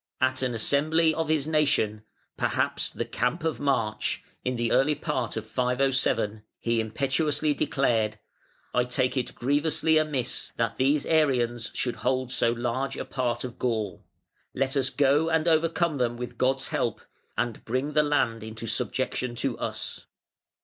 At an assembly of his nation (perhaps the "Camp of March") in the early part of 507, he impetuously declared: "I take it grievously amiss that these Arians should hold so large a part of Gaul. Let us go and overcome them with God's help, and bring the land into subjection to us".